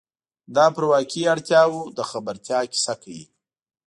دا پر واقعي اړتیاوو له خبرتیا کیسه کوي.